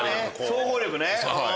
総合力ね！